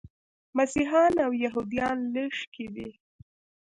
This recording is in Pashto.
مسیحیان او یهودان لږکي دي.